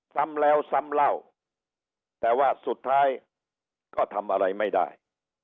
ซ้ำแล้วซ้ำเล่าแต่ว่าสุดท้ายก็ทำอะไรไม่ได้